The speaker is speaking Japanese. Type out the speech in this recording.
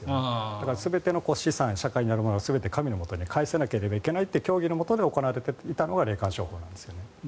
だから、全ての資産社会にあるものは全て神のもとに返さなければいけないという教義のもとで行われていたのが霊感商法なんですよね。